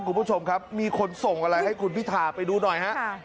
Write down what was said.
คุณผู้ชมครับมีคนส่งอะไรให้คุณพิธาไปดูหน่อยฮะ